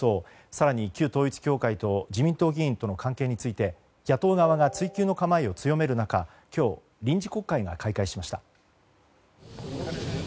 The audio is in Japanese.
更に、旧統一教会と自民党議員との関係について野党側が追及の構えを強める中今日臨時国会が開会しました。